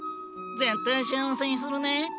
絶対幸せにするね。